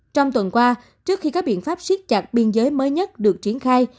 trong tuần qua trước khi các biện pháp siết chặt biên giới mới nhất được triển khai